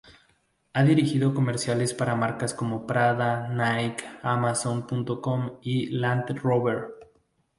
Ha dirigido comerciales para marcas como Prada, Nike, Amazon.com y Land Rover.